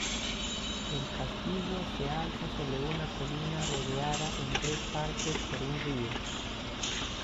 El castillo se alza sobre una colina rodeada en tres partes por un río.